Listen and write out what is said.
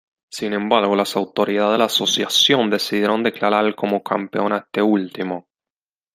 Sin embargo, las autoridades de la asociación decidieron declarar como campeón a este último.